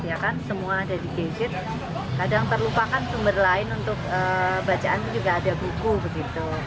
ya kan semua ada di gadget kadang terlupakan sumber lain untuk bacaan juga ada buku begitu